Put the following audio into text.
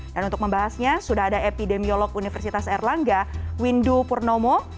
dan untuk membahasnya sudah ada epidemiolog universitas erlangga windu purnomo